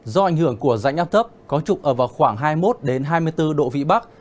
do ảnh hưởng của rãnh áp thấp có trục ở vào khoảng hai mươi một hai mươi bốn độ vị bắc